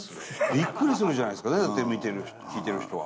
びっくりするじゃないですかねぇ観てる聴いてる人は。